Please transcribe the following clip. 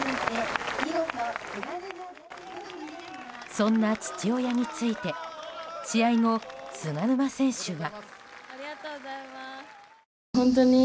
そんな父親について試合後、菅沼選手は。